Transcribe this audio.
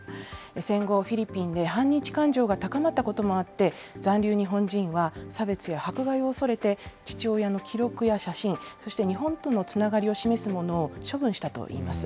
戦後、フィリピンで反日感情が高まったこともあって、残留日本人は差別や迫害を恐れて、父親の記録や写真、そして日本とのつながりを示すものを処分したといいます。